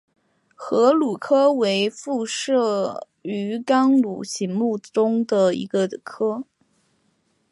河鲈科为辐鳍鱼纲鲈形目的其中一个科。